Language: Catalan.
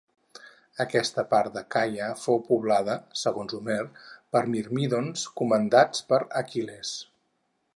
Aquesta part d'Acaia fou poblada, segons Homer, pels mirmídons, comandats per Aquil·les.